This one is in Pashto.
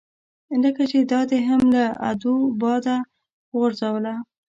لکه چې دا دې هم له ادو باده غورځوله.